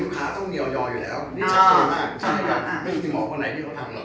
ก็ยังไม่ได้